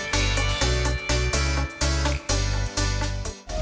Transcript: dengan pengalaman yang ortik dan beragam